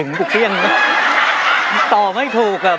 มึงจะกลับยังไงวะเนี่ยมึงดึงกูเครื่อง